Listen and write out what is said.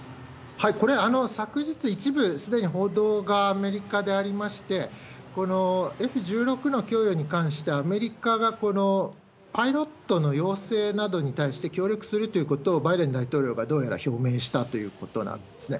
これは、昨日、一部すでに報道がアメリカでありまして、Ｆ１６の供与に関して、アメリカがパイロットの養成などに対して協力するということを、バイデン大統領がどうやら表明したということなんですね。